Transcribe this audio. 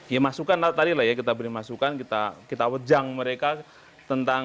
ya masukan tadi lah ya kita beri masukan kita wejang mereka tentang